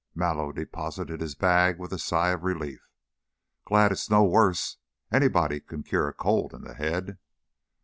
Mallow deposited his bag with a sigh of relief. "Glad it's no worse. Anybody can cure a cold in the head."